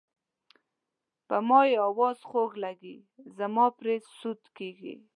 په ما یې اواز خوږ لګي زما پرې سود کیږي.